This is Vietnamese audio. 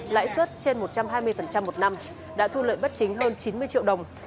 lãi suất trên một trăm hai mươi một năm đã thu lợi bất chính hơn chín mươi triệu đồng